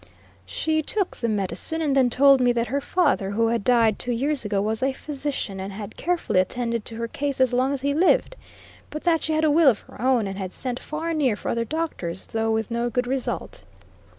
She took the medicine and then told me that her father, who had died two years ago, was a physician, and had carefully attended to her case as long as he lived; but that she had a will of her own, and had sent far and near for other doctors, though with no good result.